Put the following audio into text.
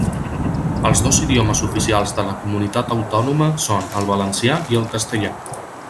Els dos idiomes oficials de la comunitat autònoma són el valencià i el castellà.